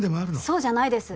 そうじゃないです